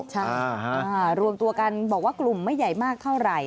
ใช่รวมตัวกันบอกว่ากลุ่มไม่ใหญ่มากเท่าไหร่